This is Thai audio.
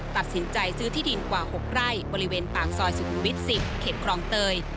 ตัดสินใจซื้อที่ดินกว่า๖ไร่บริเวณปากซอยสุขุมวิท๑๐เขตคลองเตย